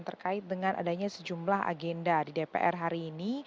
terkait dengan adanya sejumlah agenda di dpr hari ini